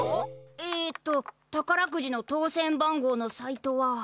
えっと宝くじの当せん番号のサイトは。